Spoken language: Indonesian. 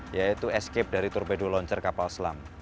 yaitu escape dari torpedo launcher kapal selam